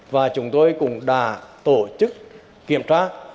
và chúng tôi cũng đã tổ chức kiểm tra